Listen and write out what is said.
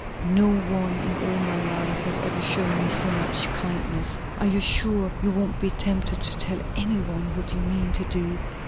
"No one in all my life has ever shown me so much kindness! Are you sure you won't be tempted to tell any one what you mean to do?"